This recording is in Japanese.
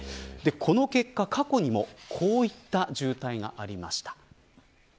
この結果、過去にもこういった渋滞がありました。